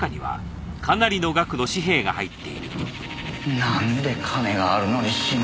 なんで金があるのに死ぬんだ？